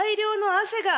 汗が？